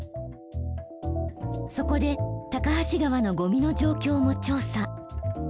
そこで高梁川のゴミの状況も調査。